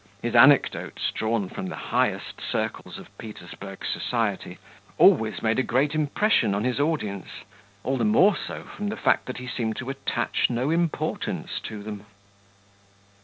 His anecdotes, drawn from the highest circles of Petersburg society, always made a great impression on his audience, all the more so from the fact that he seemed to attach no importance to them....